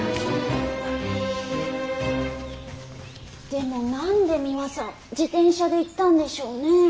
でも何でミワさん自転車で行ったんでしょうね？